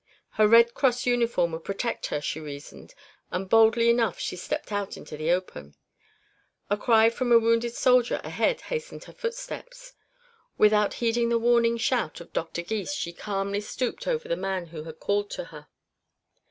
Her Red Cross uniform would protect her, she reasoned, and boldly enough she stepped out into the open. A cry from a wounded soldier ahead hastened her footsteps. Without heeding the warning shout of Doctor Gys she calmly stooped over the man who had called to her.